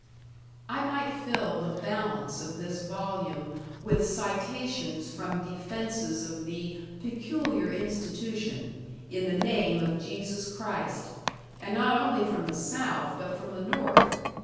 I might fill the balance of this volume with citations from defenses of the "peculiar institution" in the name of Jesus Christ and not only from the South, but from the North.